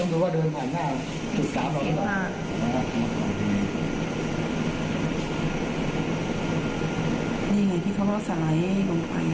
ต้องรู้ว่าเดินฝั่งหน้าจุด๓หรือเปล่านี่ไงที่เขาเอาสายลงไปอ่ะ